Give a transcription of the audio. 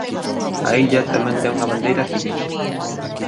A illa tamén ten unha bandeira civil.